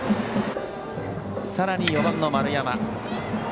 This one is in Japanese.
さらに４番の丸山。